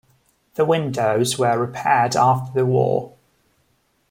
The windows were repaired after the war.